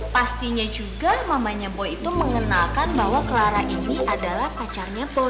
pastinya juga mamanya boy itu mengenalkan bahwa clara ini adalah pacarnya boy